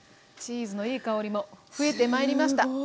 チーズのいい香りも増えてまいりました。